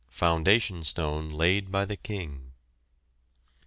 FOUNDATION STONE LAID BY THE KING.